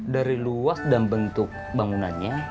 dari luas dan bentuk bangunannya